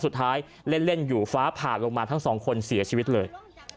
สุดท้ายเล่นอยู่ฟ้าผ่าลงมาทั้งสองคนเสียชีวิตเลย